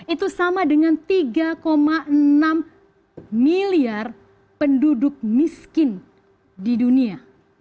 itu sama dengan tiga enam miliar penduduk miskin di dunia